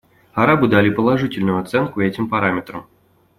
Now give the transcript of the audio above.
Арабы дали положительную оценку этим параметрам.